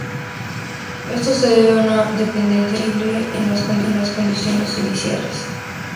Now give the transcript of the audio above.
Esto se debe a una dependencia sensible de las condiciones iniciales.